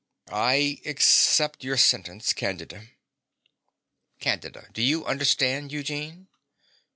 I accept your sentence, Candida. CANDIDA. Do you understand, Eugene?